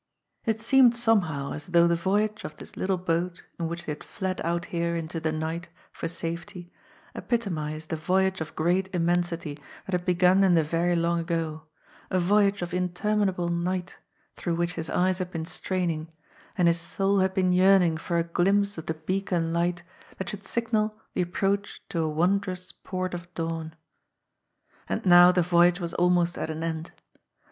It seemed somehow as though the voyage of this little boat in which they had fled out here into the night for safety epitomised a voyage of great immensity that had begun in the very long ago, a voyage of interminable night 12 JIMMIE DALE AND THE PHANTOM CLUE through which his eyes had been straining and his soul had been yearning for a glimpse of the beacon light that should signal the approach to a wondrous Port of Dawn. And now the voyage was almost at an end.